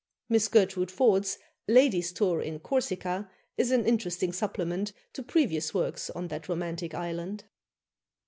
Miss Gertrude Forde's "Lady's Tour in Corsica" is an interesting supplement to previous works on that romantic island.